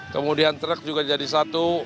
kemudian truk juga jadi satu